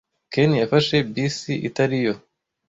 Ken yafashe bisi itari yo.